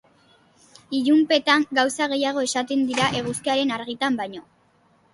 Ilunpetan gauza gehiago esaten dira eguzkiaren argitan baino.